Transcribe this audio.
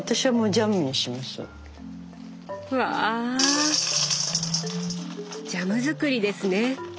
ジャム作りですね。